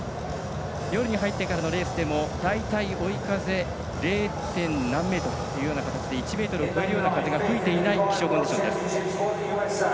夜に入ってからのレースでも大体、追い風０点何メートルという感じで１メートルを超える風が吹いていない気象コンディションです。